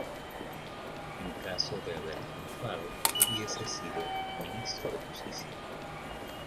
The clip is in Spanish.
En caso de haber triunfado, hubiese sido Ministro de Justicia.